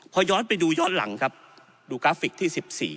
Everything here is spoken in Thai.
พอย้อนไปดูย้อนหลังครับดูกราฟิกที่๑๔